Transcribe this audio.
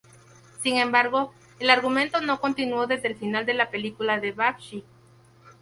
Sin embargo, el argumento no continuó desde el final de la película de Bakshi.